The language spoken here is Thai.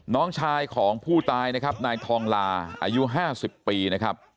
น้องชายของผู้ตายนะครับนายทองลาอายุ๕๐ปีนะครับ